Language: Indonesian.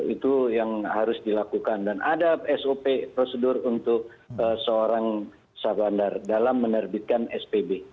itu yang harus dilakukan dan ada sop prosedur untuk seorang sahabat dalam menerbitkan spb